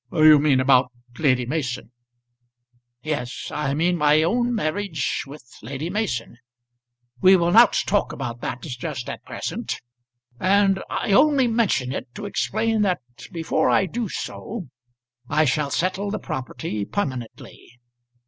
"You mean about Lady Mason." "Yes; I mean my own marriage with Lady Mason. We will not talk about that just at present, and I only mention it to explain that before I do so, I shall settle the property permanently.